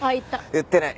言ってない。